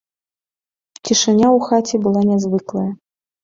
Цішыня ў хаце была нязвыклая.